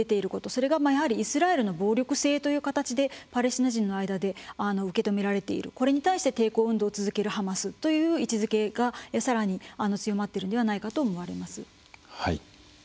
それが、やはりイスラエルの暴力性という形でパレスチナ人の間で受け止められているこれに対して抵抗運動を続けるハマスという位置づけが、さらに強まっているのではないかと思われます。